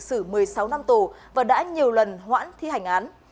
xử một mươi sáu năm tù và đã nhiều lần hoãn thi hành án